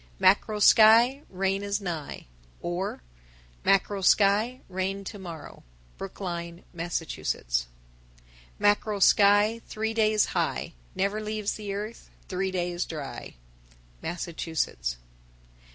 _ 1023. Mackerel sky, Rain is nigh. or Mackerel sky, Rain to morrow. Brookline, Mass. 1024. Mackerel sky Three days high Never leaves the earth Three days dry. _Massachusetts.